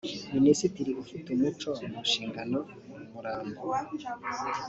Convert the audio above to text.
minisitiri ufite umuco mu nshingano umurambo